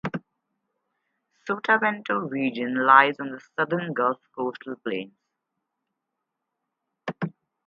Sotavento Region lies on the southern Gulf Coastal Plain.